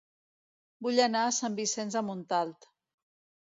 Vull anar a Sant Vicenç de Montalt